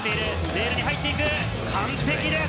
レールに入っていく。